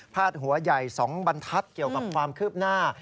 หัวใหญ่๒บรรทัศน์เกี่ยวกับความคืบหน้า